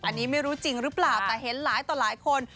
อันนี้ไม่รู้จริงหรือเปล่าแต่เห็นหลายต่อหลายคน